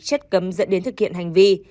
chất cấm dẫn đến thực hiện hành vi